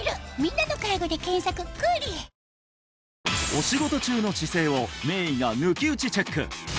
お仕事中の姿勢を名医が抜き打ちチェック！